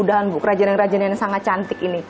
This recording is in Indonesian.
dan bu kerajinan kerajinan yang sangat cantik ini